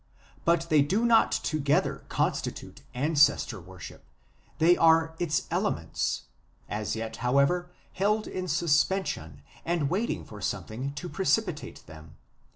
But they do not together constitute Ancestor worship : they are its elements as yet, however, held in suspension and waiting for something to precipitate them.